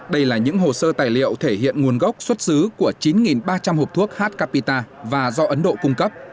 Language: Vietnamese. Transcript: đây là những hồ sơ tài liệu thể hiện nguồn gốc xuất xứ của chín ba trăm linh hộp thuốc h capita và do ấn độ cung cấp